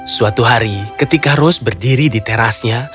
suatu hari ketika rose berdiri di terasnya